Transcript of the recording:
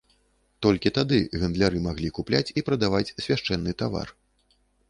Толькі тады гандляры маглі купляць і прадаваць свяшчэнны тавар.